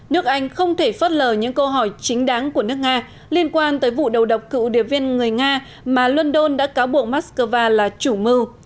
nước anh không thể phớt lờ những câu hỏi chính đáng của nước nga liên quan tới vụ đầu độc cựu điệp viên người nga mà london đã cáo buộc moscow là chủ mưu